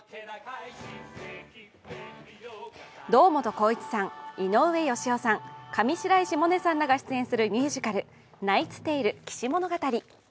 堂本光一さん、井上芳雄さん、上白石萌音さんらが出演するミュージカル「ナイツ・テイル−騎士物語−」。